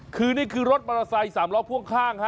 คือนี่คือรถมาระไซสามล้อพวงข้าง